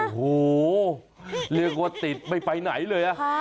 โอ้โหเรียกว่าติดไม่ไปไหนเลย